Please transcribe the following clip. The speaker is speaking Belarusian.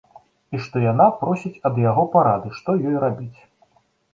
І што яна просіць ад яго парады што ёй рабіць.